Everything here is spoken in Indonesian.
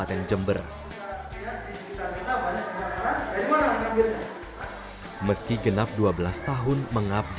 terima kasih ya